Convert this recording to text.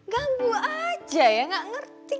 ganggu aja ya nggak ngerti